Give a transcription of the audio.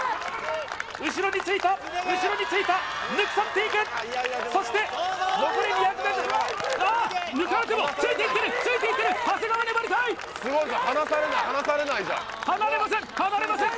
後ろについた後ろについた抜き去っていくそして残り２００ｍあっ抜かれてもついていってるついていってる長谷川粘りたいすごいぞ離されない離されないじゃん離れません離れません